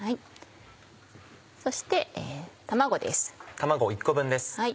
そして卵です。